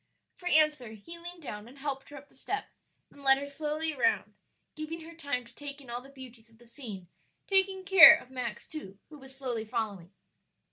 For answer he leaned down and helped her up the step, then led her slowly round, giving her time to take in all the beauties of the scene, taking care of Max too, who was slowly following.